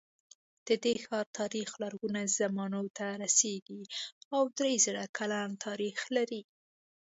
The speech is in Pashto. د دې ښار تاریخ لرغونو زمانو ته رسېږي او درې زره کلن تاریخ لري.